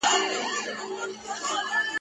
اوس لا ژاړې له آسمانه له قسمته !.